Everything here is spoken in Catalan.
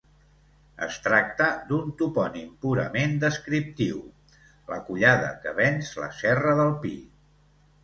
Es tracta d'un topònim purament descriptiu: la collada que venç la Serra del Pi.